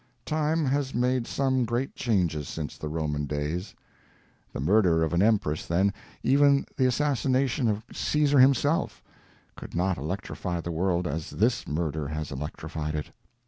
Time has made some great changes since the Roman days. The murder of an empress then—even the assassination of Caesar himself—could not electrify the world as this murder has electrified it.